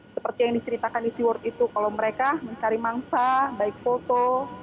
seperti yang diceritakan di seaword itu kalau mereka mencari mangsa baik foto